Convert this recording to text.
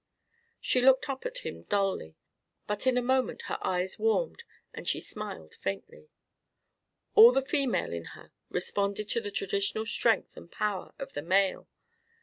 She looked up at him dully. But in a moment her eyes warmed and she smiled faintly. All the female in her responded to the traditional strength and power of the male.